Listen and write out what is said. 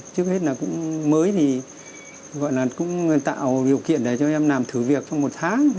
trước hết là cũng mới thì gọi là cũng tạo điều kiện để cho em làm thử việc trong một tháng